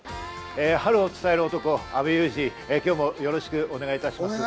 春を伝える男・阿部祐二、今日もよろしくお願いいたします。